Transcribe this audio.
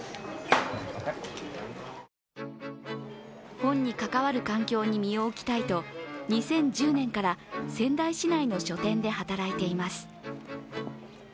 本に関わる環境に身を置きたいと２０１０年から仙台市内の書店で働いています。